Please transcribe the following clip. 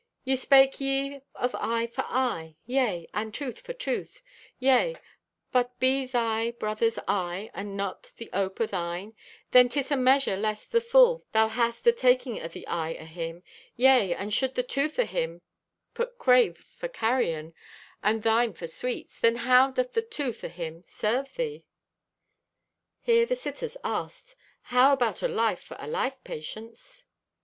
"Ye spake ye of eye for eye. Yea, and tooth for tooth. Yea, but be thy brother's eye not the ope o' thine, then 'tis a measure less the full thou hast at taking o' the eye o' him. Yea, and should the tooth o' him put crave for carrion, and thine for sweets, then how doth the tooth o' him serve thee?" Here the sitters asked: "How about a life for a life, Patience?"